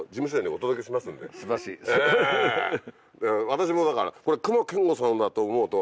私もだから。